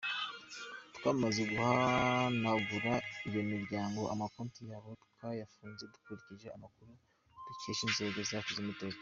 Twamaze guhanagura iyo miryango, amakonti yabo twayafunze dukurikije amakuru dukesha inzego zacu z’umutekano.